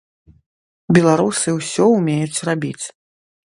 Беларусы ўсё умеюць рабіць.